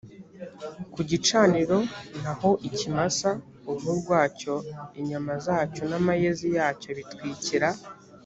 ku gicaniro naho ikimasa uruhu rwacyo inyama zacyo n amayezi yacyo abitwikira